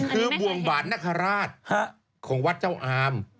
คือบ่วงบาทนคราชของวัดเจ้าอาม